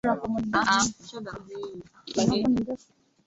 Mkono wake ni mrefu